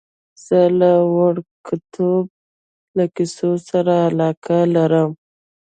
زه له وړکتوبه له کیسو سره علاقه لرم.